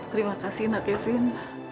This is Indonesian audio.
terima kasih nak kevin